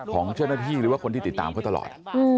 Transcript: ของเจ้าหน้าที่หรือว่าคนที่ติดตามเขาตลอด